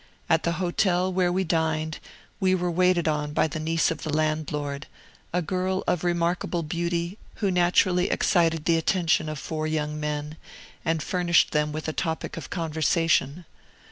At the hotel where we dined, we were waited on by the niece of the landlord, a girl of remarkable beauty, who naturally excited the attention of four young men, and furnished them with a topic of conversation.